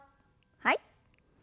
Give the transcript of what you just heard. はい。